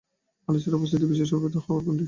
বাংলাদেশে অবস্থিত বিশ্বের সর্ববৃহৎ হাওর কোনটি?